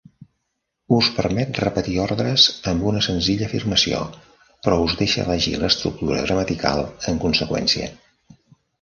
Us permet repetir ordres amb una senzilla afirmació, però us deixa elegir l'estructura gramatical en conseqüència.